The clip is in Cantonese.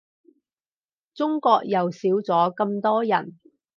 中國又少咗咁多人